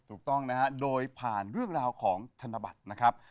ถูกต้องนะฮะโดยผ่านเรื่องราวของธนบัตรนะครับ